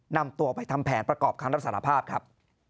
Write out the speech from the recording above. นำตัวไปทำแผนประกอบคำรับสารภาพครับ